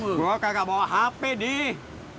gua kagak bawa hp dih